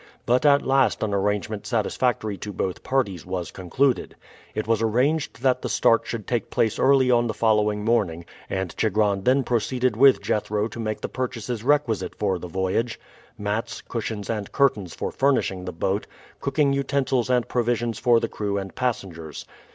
But at last an arrangement satisfactory to both parties was concluded. It was arranged that the start should take place early on the following morning, and Chigron then proceeded with Jethro to make the purchases requisite for the voyage mats, cushions, and curtains for furnishing the boat, cooking utensils and provisions for the crew and passengers.